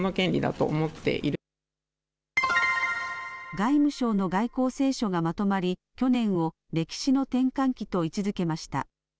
外務省の外交青書がまとまり、去年を歴史の転換期と位置づけました。